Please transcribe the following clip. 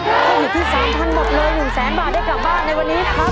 ถ้าอยู่ที่๓พันบาทหมดเลย๑แสนบาทได้กลับบ้านในวันนี้ครับ